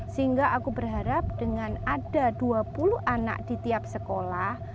sehingga aku berharap dengan ada dua puluh anak di tiap sekolah